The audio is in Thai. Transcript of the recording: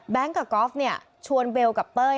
แบงค์กับกอล์ฟชวนเบลกับเต้ย